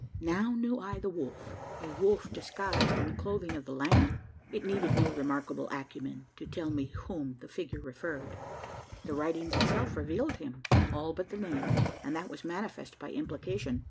Now knew I the wolf a wolf disguised in the clothing of the lamb? It needed no remarkable acumen to tell to whom the figure referred. The writing itself revealed him all but the name; and that was manifest by implication.